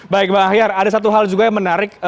baik bang ahyar ada satu hal juga yang menarik